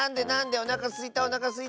おなかすいたおなかすいた！